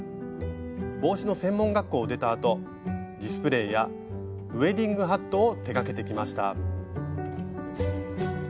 帽子の専門学校を出たあとディスプレーやウエディングハットを手がけてきました。